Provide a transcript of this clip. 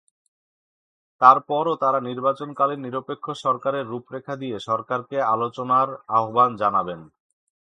তারপরও তাঁরা নির্বাচনকালীন নিরপেক্ষ সরকারের রূপরেখা দিয়ে সরকারকে আলোচনার আহ্বান জানাবেন।